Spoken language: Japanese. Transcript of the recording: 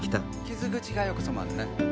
傷口がよく染まるのね。